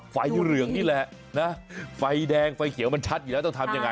ไฟเหลืองนี่แหละนะไฟแดงไฟเขียวมันชัดอยู่แล้วต้องทำยังไง